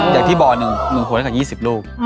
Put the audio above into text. อย่างที่บอร์หนึ่งหนึ่งหัวได้กับยี่สิบลูก